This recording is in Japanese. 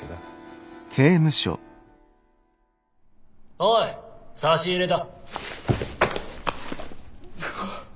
おい差し入れだ。